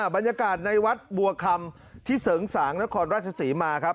บรรยากาศในวัดบัวคำที่เสริงสางนครราชศรีมาครับ